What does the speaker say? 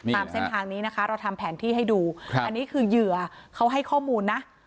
ตามเส้นทางนี้นะคะเราทำแผนที่ให้ดูอันนี้คือเหยื่อเขาให้ข้อมูลนะ